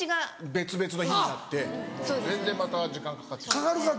別々の日になって全然また時間かかってしまう。